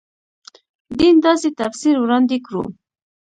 دین داسې تفسیر وړاندې کړو.